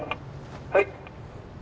はい。